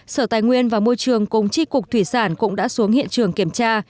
sở tài nguyên và môi trường công trí cục thủy sản cũng đã xuống hiện trường kiểm tra